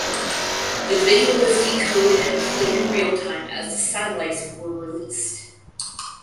The video was decoded and played in real time as the satellites were released.